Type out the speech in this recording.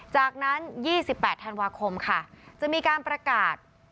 จากนั้น๒๘ธันวาคมค่ะจะมีการประกาศ